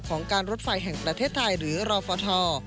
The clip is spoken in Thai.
ของการรถไฟแห่งประเทศไทยหรือรอฟท